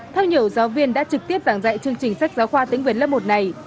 theo nhiều giáo viên đã trực tiếp giảng dạy chương trình sách giáo khoa tiếng việt lớp một này